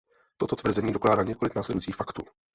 Toto tvrzení dokládá několik následujících faktů.